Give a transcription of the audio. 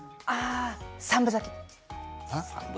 三分咲き。